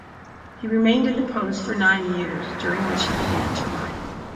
He remained in that post for nine years, during which he began to write.